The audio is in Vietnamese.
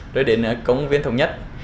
rồi đến công viên thống nhất